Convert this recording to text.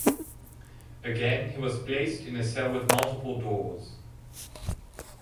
Again, he was placed in a cell with multiple doors.